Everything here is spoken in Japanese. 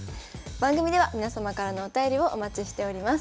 番組では皆様からのお便りをお待ちしております。